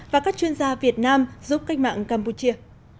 và các chuyên gia việt nam giúp cách mạng campuchia